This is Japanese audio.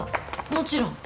もちろん。